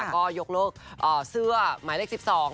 ก็ยกเลิกเสื้อหมายเลขสิบสอง